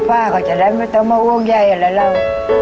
พ่อเขาจะได้ไม่ต้องมาว่องไยอะไรแล้ว